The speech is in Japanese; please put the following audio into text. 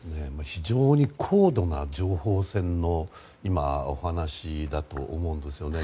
非常に高度な情報戦のお話だと思うんですよね。